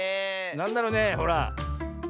なんだろねえほら。